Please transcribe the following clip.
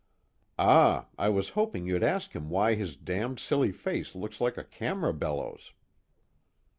"Ah, I was hoping you'd ask him why his damned silly face looks like a camera bellows."